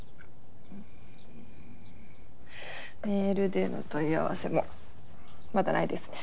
メールでの問い合わせもまだないですね。